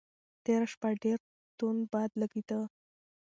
تېره شپه ډېر توند باد لګېده.